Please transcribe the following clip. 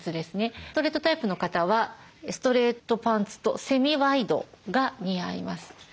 ストレートタイプの方はストレートパンツとセミワイドが似合います。